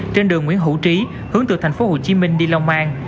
trên đường nguyễn hữu trí hướng từ tp hcm đi long an